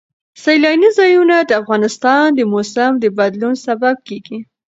سیلانی ځایونه د افغانستان د موسم د بدلون سبب کېږي.